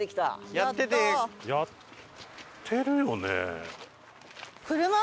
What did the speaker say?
やってるよね？